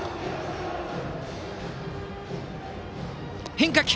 変化球！